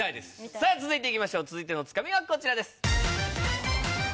さぁ続いていきましょう続いてのツカミはこちらです。